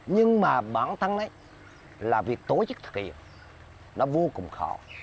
nhưng mà bản thân ấy là việc tổ chức thực hiện nó vô cùng khó